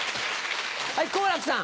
はい好楽さん。